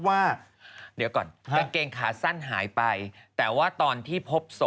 แต่กางเกงข้างในไม่มี